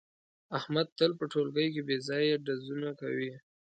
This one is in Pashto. احمد تل په ټولگي کې بې ځایه ډزونه کوي.